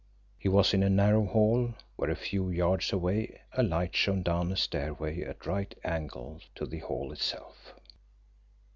He was in a narrow hall, where a few yards away, a light shone down a stairway at right angles to the hall itself.